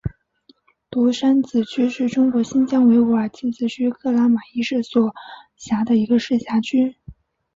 独山子区是中国新疆维吾尔自治区克拉玛依市所辖的一个市辖区。